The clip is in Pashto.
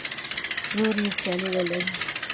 زور یې سیال نه لري.